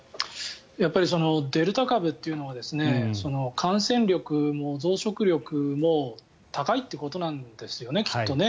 デルタ株というのが感染力も増殖力も高いということなんですよねきっとね。